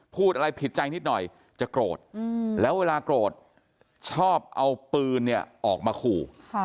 พูดอะไรผิดใจนิดหน่อยจะโกรธแล้วเวลาโกรธชอบเอาปืนเนี่ยออกมาขู่